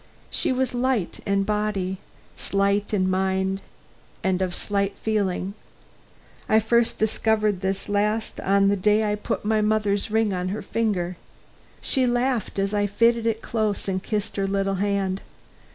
She was slight in body, slight in mind and of slight feeling. I first discovered this last on the day I put my mother's ring on her finger. She laughed as I fitted it close and kissed the little hand.